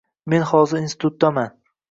Men hozir institutdaman.